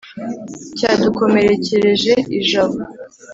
Cyadukomerekereje ijabo